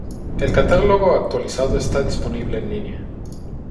El catálogo actualizado está disponible en línea.